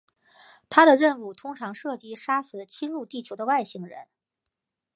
他的任务通常涉及杀死侵入地球的外星人。